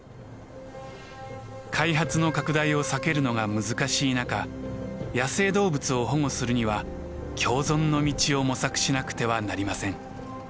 開発の拡大を避けるのが難しい中野生動物を保護するには共存の道を模索しなくてはなりません。